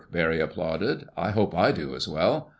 Barry applauded. "I hope I do as well.